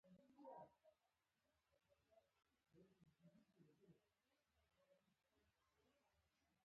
دا یوازې مرکزي بانک کولای شي.